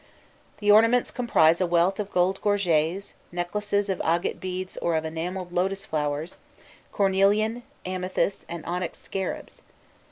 The ornaments comprise a wealth of gold gorgets, necklaces of agate beads or of enamelled lotus flowers, cornelian, amethyst, and onyx scarabs.